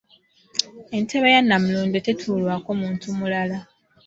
Entebe ya Nnamulondo tetuulwako muntu mulala.